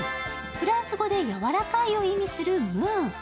フランス語で柔らかいを意味するムー。